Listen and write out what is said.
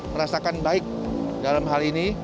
merasakan baik dalam hal ini